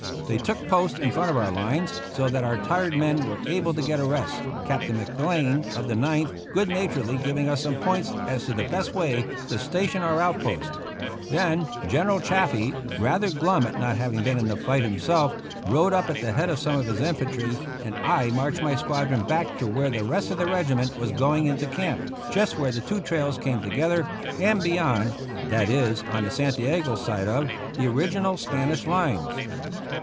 They took post in front of our lines, so that our tired men were able to get a rest. Captain Mc Blain, of the Ninth, good naturedly giving us some points as to the best way to station our out posts. Then General Chaffee, rather glum at not having been in the fight himself, rode up at the head of some of his infantry, and I marched my squadron back to where the rest of the regiment was going into camp, just where the two trails came together, and beyond — that is, on the Santi ago side of — the original Spanish lines.